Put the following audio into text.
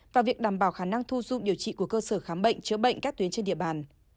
và việc đảm bảo khả năng thu dung điều trị của cơ sở khám bệnh chữa bệnh các tuyến trên địa bàn